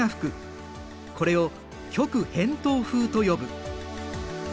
これを極偏東風と呼ぶ。